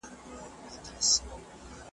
لا یې نه وو د آرام نفس ایستلی .